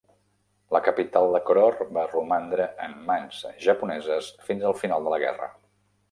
La capital de Koror va romandre en mans japoneses fins al final de la guerra.